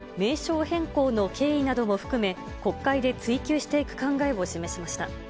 泉代表は、今後、名称変更の経緯なども含め、国会で追及していく考えを示しました。